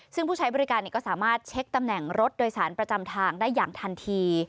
ซึ่งผู้ใช้บริการก็สามารถเช็คตำแหน่งรถโดยสารประจำทางได้อย่างทันที